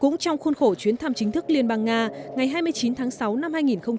cũng trong khuôn khổ chuyến thăm chính thức liên bang nga ngày hai mươi chín tháng sáu năm hai nghìn hai mươi